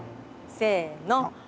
せの。